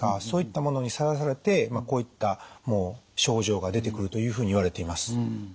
そういったものにさらされてこういった症状が出てくるというふうにいわれています。